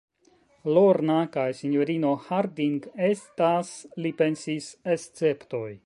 Lorna kaj sinjorino Harding estas, li pensis, esceptoj.